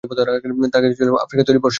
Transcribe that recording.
তার কাছে ছিল আফ্রিকার তৈরী বর্শা।